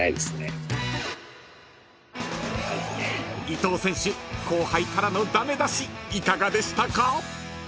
［伊東選手後輩からの駄目出しいかがでしたか？］